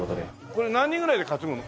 これ何人ぐらいで担ぐの？